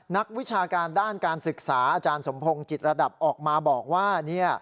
นักวิชาการด้านการศึกษาอาจารย์สมพงศ์จิตระดับออกมาบอกว่า